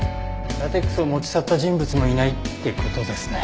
ラテックスを持ち去った人物もいないって事ですね。